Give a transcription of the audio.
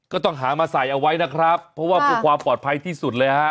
ก็ต้องหามาใส่เอาไว้นะครับเพราะว่าเพื่อความปลอดภัยที่สุดเลยฮะ